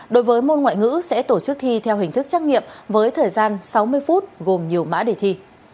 đối với môn ngoại ngữ sẽ tổ chức thi theo hình thức trắc nghiệm với thời gian sáu mươi phút gồm nhiều mã đề thi